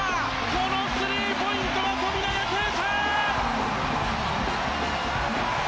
このスリーポイントが富永啓生！